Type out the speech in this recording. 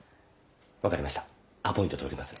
分かりましたアポイント取りますね。